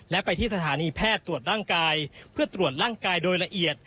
และไปที่สถานีแพทย์ตรวจร่างกายเพื่อตรวจร่างกายโดยละเอียด